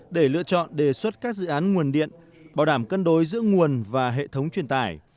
để lựa chọn đề xuất các dự án nguồn điện bảo đảm cân đối giữa nguồn và hệ thống truyền tải